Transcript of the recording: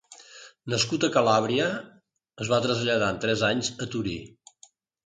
Nascut a Calàbria, es va traslladar amb tres anys a Torí.